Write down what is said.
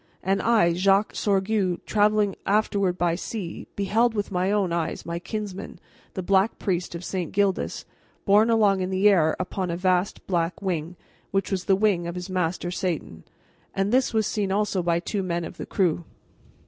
And I, Jacques Sorgue, traveling afterward by sea, beheld with my own eyes my kinsman, the Black Priest of St. Gildas, borne along in the air upon a vast black wing, which was the wing of his master Satan. And this was seen also by two men of the crew."